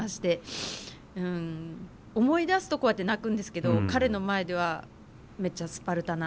思い出すとこうやって泣くんですけど彼の前ではめっちゃスパルタな。